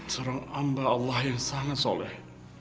seorang ambal allah yang sangat soleh